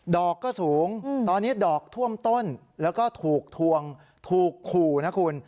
ดอกก็สูงตอนนี้ดอกท่วมต้นแล้วก็ถูกทวงถูกขู่นะคุณ